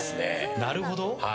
なるほど。